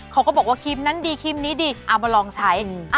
เขาก็บอกว่าครีมนั้นดีครีมนี้ดีเอามาลองใช้